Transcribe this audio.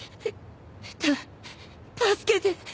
た助けて。